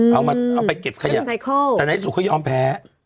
เอาไปเก็บขยะแต่ในที่สุดเขายอมแพ้